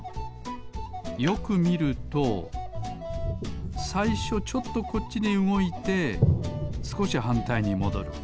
よくみるとさいしょちょっとこっちにうごいてすこしはんたいにもどる。